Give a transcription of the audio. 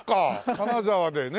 金沢でね。